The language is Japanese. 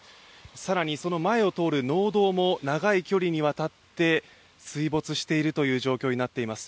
更にその前を通る農道も長い距離にわたって水没しているという状況になっています。